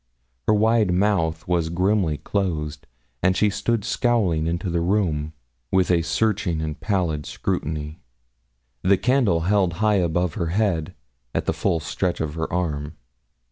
Her wide mouth was grimly closed, and she stood scowling into the room with a searching and pallid scrutiny, the candle held high above her head at the full stretch of her arm.